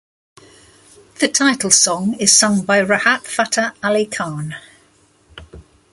The title song is sung by Rahat Fateh Ali Khan.